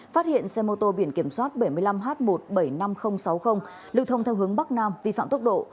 phát hiện xe mô tô biển kiểm soát bảy mươi năm h một trăm bảy mươi năm nghìn sáu mươi lưu thông theo hướng bắc nam vi phạm tốc độ